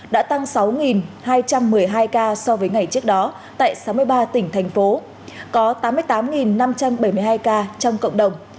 đã tăng sáu hai trăm một mươi hai ca so với ngày trước đó tại sáu mươi ba tỉnh thành phố có tám mươi tám năm trăm bảy mươi hai ca trong cộng đồng